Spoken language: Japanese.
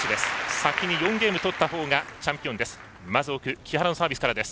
先に４ゲーム取ったほうがチャンピオンです。